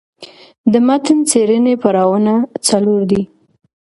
د متن څېړني پړاوونه څلور دي.